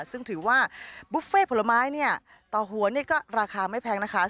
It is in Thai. ซึ่งถือว่าบุฟเฟ่ผลไม้เนี่ยต่อหัวนี่ก็ราคาไม่แพงนะคะ